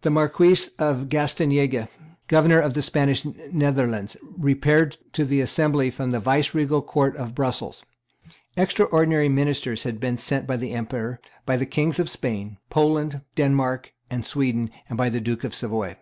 The Marquess of Gastanaga, Governor of the Spanish Netherlands, repaired to the assembly from the viceregal Court of Brussels. Extraordinary ministers had been sent by the Emperor, by the Kings of Spain, Poland, Denmark, and Sweden, and by the Duke of Savoy.